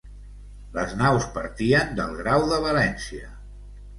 Les naus partien del Grau de València.